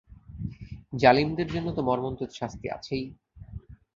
জালিমদের জন্য তো মর্মস্তুদ শাস্তি আছেই।